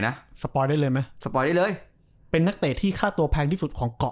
สปอยได้เลยไหมสปอยได้เลยเป็นนักเตะที่ค่าตัวแพงที่สุดของเกาะ